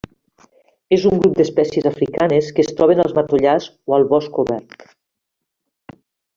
És un grup d'espècies africanes que es troben als matollars o el bosc obert.